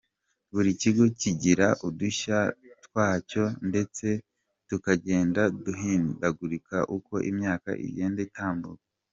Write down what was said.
Buri kigo kigira udushya twacyo ndetse tukagenda duhindagurika uko imyaka igenda itambuka.